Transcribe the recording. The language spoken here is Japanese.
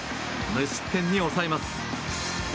無失点に抑えます。